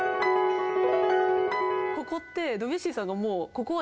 ここってドビュッシーさんがもうそうそう。